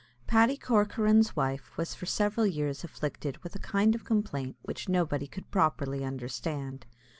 Paddy Corcoran's wife was for several years afflicted with a kind of complaint which nobody could properly understand.